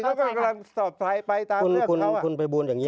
เขากำลังสอบไปตามเรื่องเขาคุณคุณคุณประบูรณ์อย่างนี้